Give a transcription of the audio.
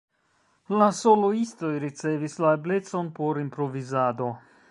La soloistoj ricevis la eblecon por improvizado.